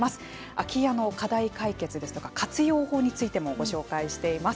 空き家の課題解決ですとか活用法についてご紹介しています。